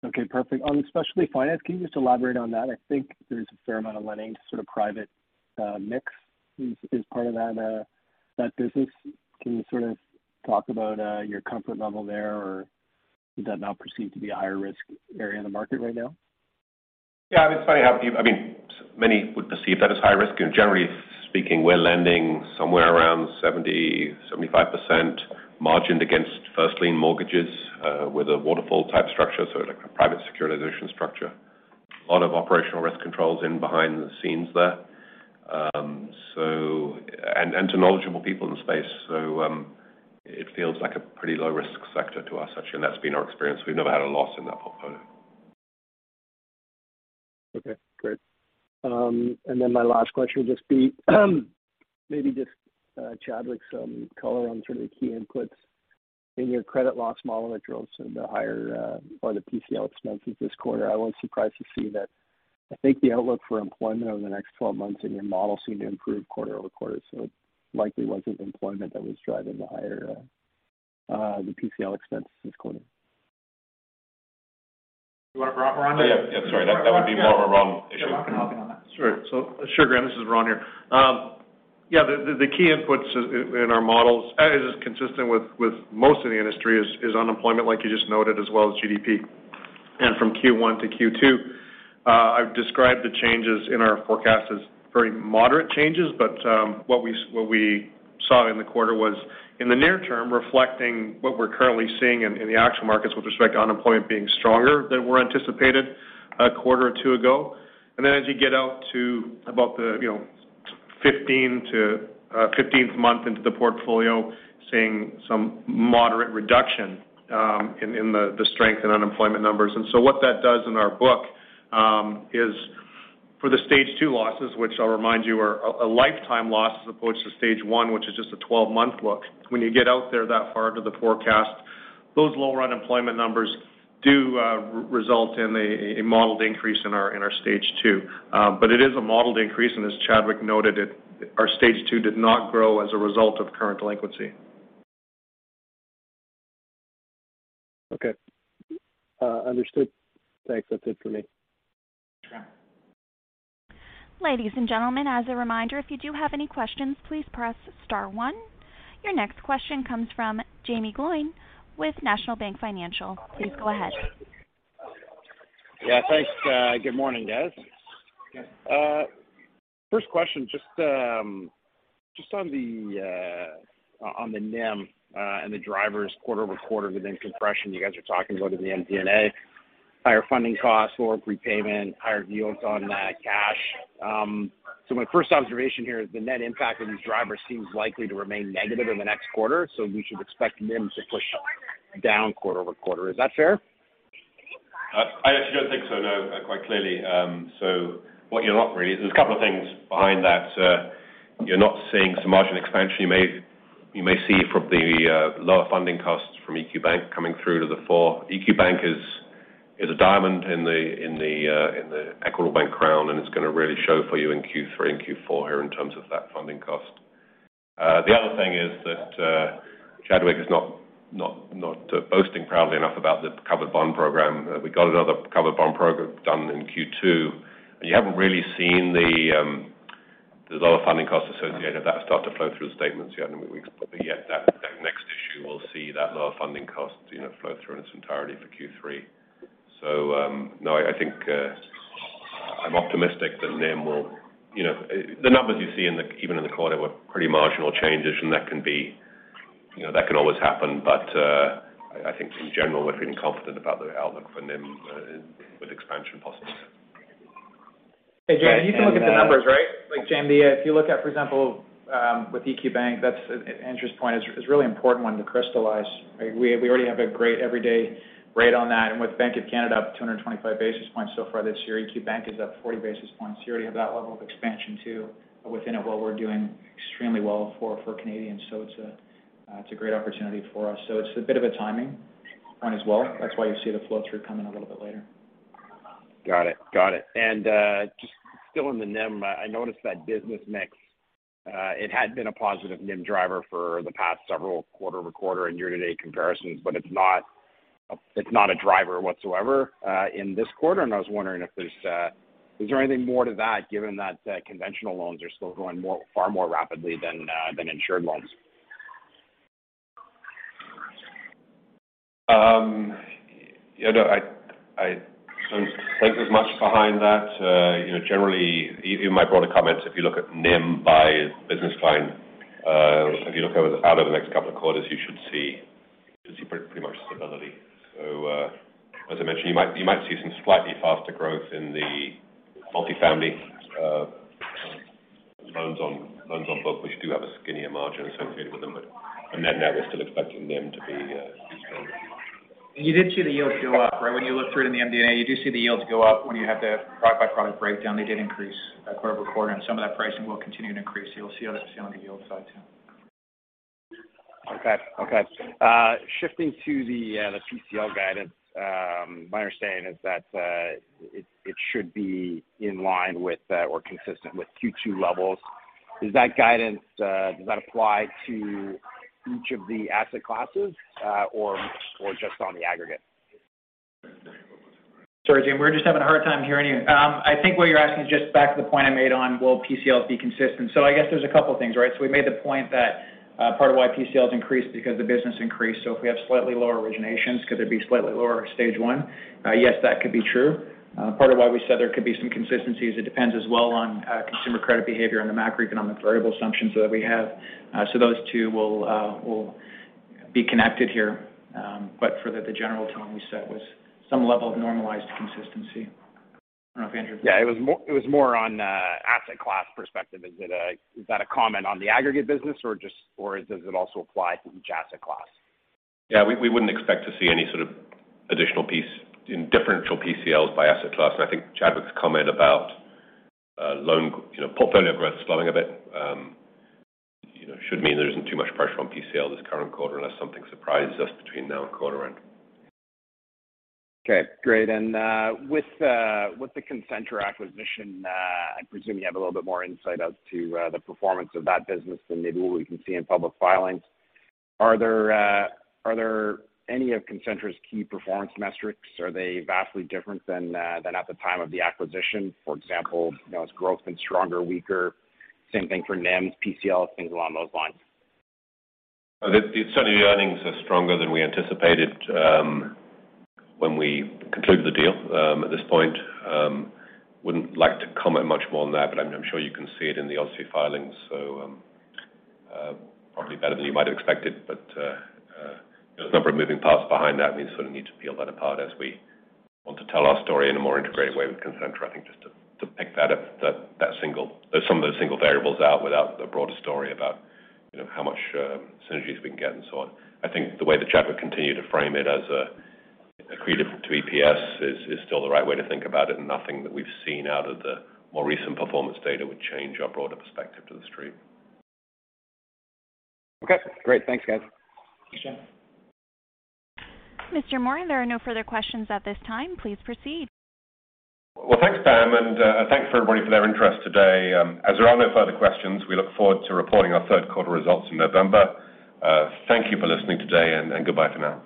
Okay, perfect. On specialty finance, can you just elaborate on that? I think there's a fair amount of lending to sort of private mix is part of that business. Can you sort of talk about your comfort level there? Or is that now perceived to be a higher risk area in the market right now? Yeah, it's funny how people I mean, many would perceive that as high risk, and generally speaking, we're lending somewhere around 70%-75% margined against first lien mortgages, with a waterfall type structure, so like a private securitization structure. A lot of operational risk controls in behind the scenes there. To knowledgeable people in the space, it feels like a pretty low risk sector to us, actually, and that's been our experience. We've never had a loss in that portfolio. Okay, great. My last question would just be, maybe just, Chadwick, some color on sort of the key inputs in your credit loss model that drove some of the higher, or the PCL expenses this quarter. I was surprised to see that I think the outlook for employment over the next twelve months in your model seemed to improve quarter-over-quarter. It likely wasn't employment that was driving the higher, the PCL expense this quarter. You want Ron to. Yeah. Sorry. That would be more of a Ron issue. Yeah, Ron can hop in on that. Sure. Graham, this is Ron here. Yeah, the key inputs in our models is consistent with most of the industry is unemployment, like you just noted, as well as GDP. From Q1 to Q2, I've described the changes in our forecast as very moderate changes, but what we saw in the quarter was in the near term, reflecting what we're currently seeing in the actual markets with respect to unemployment being stronger than were anticipated a quarter or two ago. As you get out to about the you know 15th to, 15th month into the portfolio, seeing some moderate reduction in the strength in unemployment numbers. What that does in our book is for the stage two losses, which I'll remind you are a lifetime loss as opposed to stage one, which is just a 12-month look. When you get out there that far into the forecast, those lower unemployment numbers do result in a modeled increase in our stage two. It is a modeled increase, and as Chadwick noted it, our stage two did not grow as a result of current delinquency. Okay. Understood. Thanks. That's it for me. Sure. Ladies and gentlemen, as a reminder, if you do have any questions, please press star one. Your next question comes from Jaeme Gloyn with National Bank Financial. Please go ahead. Yeah, thanks. Good morning, guys. Yes. First question, just on the NIM, and the drivers quarter-over-quarter within compression you guys are talking about in the MD&A. Higher funding costs or prepayment, higher yields on cash. My first observation here is the net impact of these drivers seems likely to remain negative in the next quarter, so we should expect NIM to push down quarter-over-quarter. Is that fair? I actually don't think so, no, quite clearly. There's a couple of things behind that. You're not seeing some margin expansion. You may see from the lower funding costs from EQ Bank coming through to the fore. EQ Bank is a diamond in the Equitable Bank crown, and it's gonna really show for you in Q3 and Q4 here in terms of that funding cost. The other thing is that Chadwick is not boasting proudly enough about the covered bond program. We got another covered bond program done in Q2, and you haven't really seen the lower funding costs associated with that start to flow through the statements yet. That next issue will see that lower funding cost, you know, flow through in its entirety for Q3. No, I think I'm optimistic that NIM will. You know, the numbers you see even in the quarter were pretty marginal changes, and that can be, you know, that can always happen. I think in general, we're feeling confident about the outlook for NIM with expansion possibilities. Hey, Jaeme, you can look at the numbers, right? Like Jaeme, if you look at, for example, with EQ Bank, that's Andrew's point is really important one to crystallize. We already have a great everyday rate on that. With Bank of Canada up 225 basis points so far this year, EQ Bank is up 40 basis points. You already have that level of expansion too within it while we're doing extremely well for Canadians. It's a great opportunity for us. It's a bit of a timing one as well. That's why you see the flow-through coming a little bit later. Got it. Just still in the NIM, I noticed that business mix, it had been a positive NIM driver for the past several quarter-over-quarter and year-to-date comparisons, but it's not a driver whatsoever in this quarter. I was wondering if there's anything more to that given that conventional loans are still growing more, far more rapidly than insured loans? You know, I don't think there's much behind that. You know, generally, in my broader comments, if you look at NIM by business line, if you look out over the next couple of quarters, you should see pretty much stability. As I mentioned, you might see some slightly faster growth in the multifamily loans on book, which do have a skinnier margin associated with them. The net-net, we're still expecting NIM to be strong. You did see the yields go up, right? When you look through it in the MD&A, you do see the yields go up when you have the product by product breakdown, they did increase, quarter-over-quarter, and some of that pricing will continue to increase. You'll see how that's done on the yield side too. Okay. Shifting to the PCL guidance. My understanding is that it should be in line with or consistent with Q2 levels. Does that guidance apply to each of the asset classes or just on the aggregate? Sorry, Jaeme, we're just having a hard time hearing you. I think what you're asking is just back to the point I made on will PCLs be consistent. I guess there's a couple things, right? We made the point that part of why PCLs increased because the business increased. If we have slightly lower originations, could there be slightly lower stage one? Yes, that could be true. Part of why we said there could be some consistency is it depends as well on consumer credit behavior and the macroeconomic variable assumptions that we have. Those two will be connected here. For the general tone we said was some level of normalized consistency. I don't know if Andrew Moor- Yeah, it was more on asset class perspective. Is that a comment on the aggregate business, or does it also apply to each asset class? Yeah, we wouldn't expect to see any sort of additional piece in differential PCLs by asset class. I think Chadwick's comment about loan, you know, portfolio growth slowing a bit, you know, should mean there isn't too much pressure on PCL this current quarter unless something surprises us between now and quarter end. Okay, great. With the Concentra acquisition, I presume you have a little bit more insight as to the performance of that business than maybe what we can see in public filings. Are there any of Concentra's key performance metrics? Are they vastly different than at the time of the acquisition? For example, you know, has growth been stronger, weaker? Same thing for NIM, PCLs, things along those lines. Certainly, the earnings are stronger than we anticipated when we concluded the deal. At this point, wouldn't like to comment much more on that, but I'm sure you can see it in the OSFI filings, so probably better than you might have expected. There's a number of moving parts behind that, and we sort of need to peel that apart as we want to tell our story in a more integrated way with Concentra. I think just to pick that up, some of those single variables out without the broader story about, you know, how much synergies we can get and so on. I think the way that Chadwick continued to frame it as accretive to EPS is still the right way to think about it. Nothing that we've seen out of the more recent performance data would change our broader perspective to the theme. Okay, great. Thanks, guys. Thanks, Jaeme. Mr. Moor, there are no further questions at this time. Please proceed. Well, thanks, Pam, and thanks for everybody for their interest today. As there are no further questions, we look forward to reporting our third quarter results in November. Thank you for listening today and goodbye for now.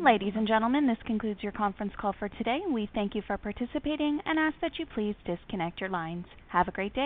Ladies and gentlemen, this concludes your conference call for today. We thank you for participating and ask that you please disconnect your lines. Have a great day.